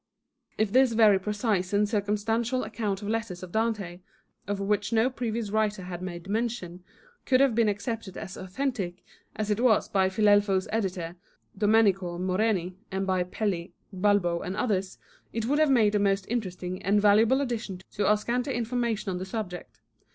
If this very precise and circumstantial account of letters of Dante, of which no previous writer had made mention, could have been accepted as authontic, as it was by Filelfo's editor, Domenico Moreni, and by Pelli, Balbo, and others, it would have made a most interesting and valuable addition to our scanty information on the subject.